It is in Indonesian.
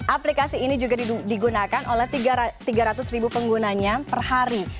aplikasi ini juga digunakan oleh tiga ratus ribu penggunanya per hari